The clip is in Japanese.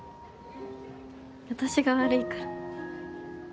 私が悪いから。